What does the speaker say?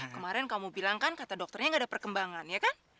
kemarin kamu bilang kan kata dokternya gak ada perkembangan ya kan